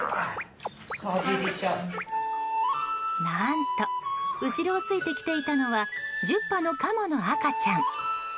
何と、後ろをついてきていたのは１０羽のカモの赤ちゃん。